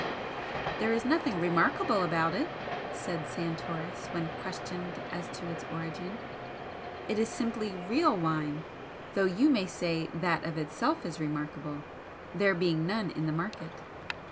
"There is nothing remarkable about it," said Santoris, I when questioned as to its origin "It is simply REAL wine, though you may say that of itself is remarkable, there being none in the market.